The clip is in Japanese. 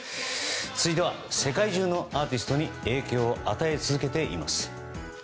続いては世界中のアーティストに影響を与え続けています。